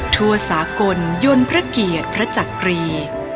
ทั่วสากลยนต์พระเกียรติพระจักรี